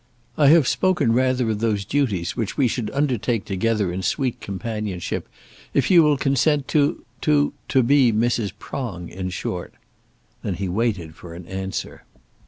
"I have spoken rather of those duties which we should undertake together in sweet companionship, if you will consent to to to be Mrs. Prong, in short." Then he waited for an answer.